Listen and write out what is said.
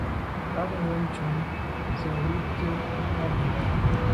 Bag ba shun tshàm se’ njwimte mà ngab.